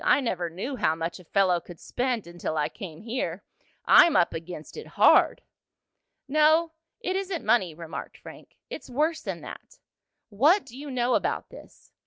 "I never knew how much a fellow could spend until I came here. I'm up against it hard!" "No, it isn't money," remarked Frank. "It's worse than that. What do you know about this.